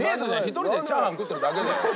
１人でチャーハン食ってるだけだよ。